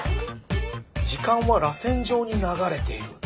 「時間は螺旋状に流れている。